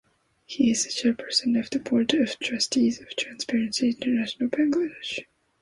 He is the chairperson of the Board of Trustees of Transparency International Bangladesh.